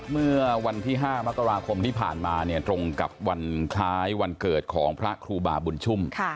เมื่อวันที่๕มกราคมที่ผ่านมาเนี่ยตรงกับวันคล้ายวันเกิดของพระครูบาบุญชุ่ม